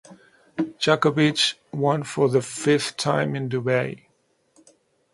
Djokovic won for the fifth time in Dubai.